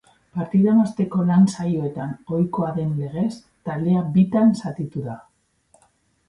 Partiden osteko lan saioetan ohikoa den legez, taldea bitan zatitu da.